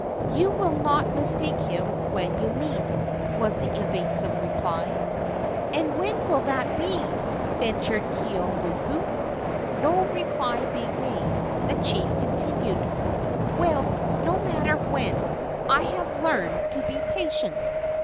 "You will not mistake him when you meet," was the evasive reply. "And when will that be?" ventured Keeaumoku. No reply being made, the chief continued: "Well, no matter when; I have learned to be patient!"